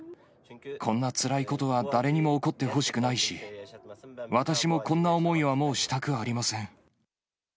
こんなつらいことは誰にも起こってほしくないし、私もこんな思いはもうしたくありません。